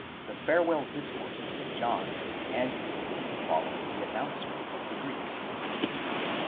THE FAREWELL DISCOURSES IN JOHN, AND THE SCENE FOLLOWING THE ANNOUNCEMENT OF THE GREEKS.